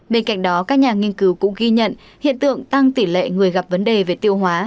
bên cạnh đó các nhà nghiên cứu cũng ghi nhận hiện tượng tăng tỷ lệ người gặp vấn đề về tiêu hóa